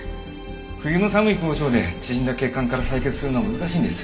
冬の寒い工場で縮んだ血管から採血するのは難しいんです。